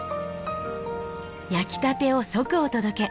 焼きたてを即お届け。